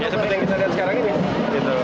seperti yang kita lihat sekarang ini